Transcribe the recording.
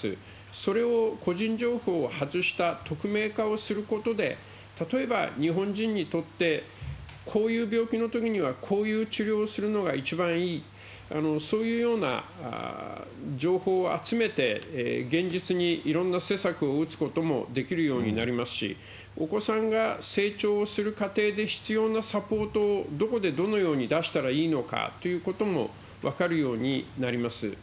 それを個人情報を外した匿名化をすることで、例えば日本人にとって、こういう病気のときにはこういう治療をするのが一番いい、そういうような情報を集めて、現実にいろんな施策を打つこともできるようになりますし、お子さんが成長をする過程で必要なサポートをどこでどのように出したらいいのかということも分かるようになります。